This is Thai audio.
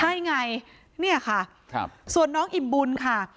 ใช่ไงเนี่ยค่ะส่วนน้องอิ่มบุญค่ะ